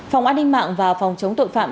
phòng an ninh mạng và phòng chống tội phạm